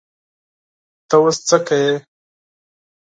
ته اوس څه کوې؟